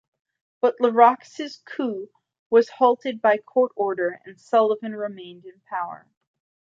But LeRoux' "coup" was halted by court order, and Sullivan remained in power.